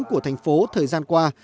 của thành phố thời gian qua